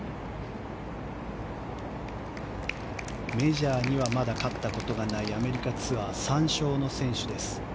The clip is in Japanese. メジャーにはまだ勝ったことがないアメリカツアー３勝の選手です。